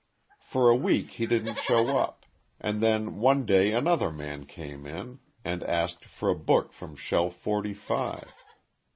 "For a week he didn't show up, and then one day another man came in and asked for a book from Shelf Forty five.